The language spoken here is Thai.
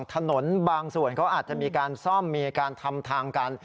บางส่วนเขาอาจจะมีการซ่อมมีการทำทางกัน